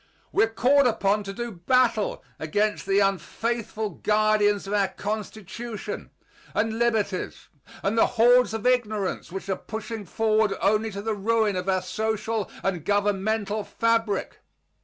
We are called upon to do battle against the unfaithful guardians of our Constitution and liberties and the hordes of ignorance which are pushing forward only to the ruin of our social and governmental fabric.